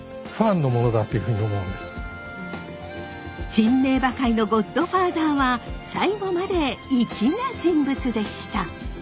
珍名馬界のゴッドファーザーは最後まで粋な人物でした。